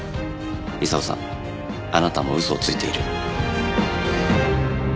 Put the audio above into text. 功さんあなたも嘘をついている。